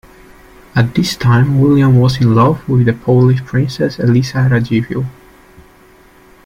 At this time, William was in love with the Polish Princess Elisa Radziwill.